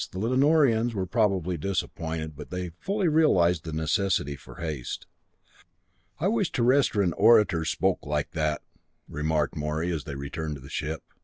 The Lanorians were probably disappointed, but they fully realized the necessity for haste. "I wish Terrestrian orators spoke like that," remarked Morey as they returned to the ship.